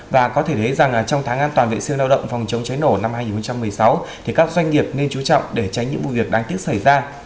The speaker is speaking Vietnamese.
và có thể thấy rằng trong tháng an toàn vệ sinh lao động phòng chống cháy nổ năm hai nghìn một mươi sáu thì các doanh nghiệp nên chú trọng để tránh những vụ việc đáng tiếc xảy ra